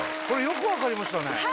これよく分かりましたね。